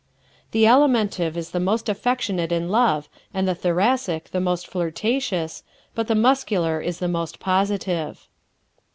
The Alimentive is the most affectionate in love and the Thoracic the most flirtatious, but the Muscular is the most positive.